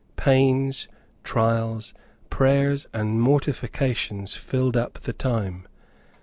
Pains, trials, prayers, and mortifications filled up the time.